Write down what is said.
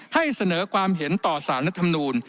ให้เสนอความเห็นต่อสารรัฐมนูล